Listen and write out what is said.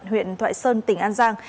huyện thoại sơn tỉnh an giang